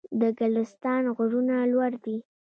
د ګلستان غرونه لوړ دي